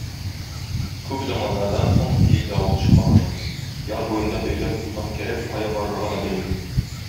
Күп заманнардан соң җил-давыл чыга башлый, яр буенда бәйләп куйган кәрәп кая барырга да белми.